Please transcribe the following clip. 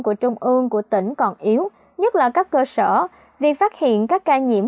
của trung ương của tỉnh còn yếu nhất là các cơ sở việc phát hiện các ca nhiễm